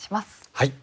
はい。